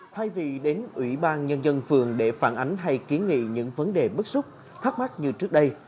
thay vì đến ủy ban nhân dân phường để phản ánh hay kiến nghị những vấn đề bức xúc thắc mắc như trước đây